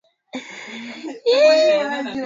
kujiingiza kwa namna yeyote kuchochea ghasia zaidi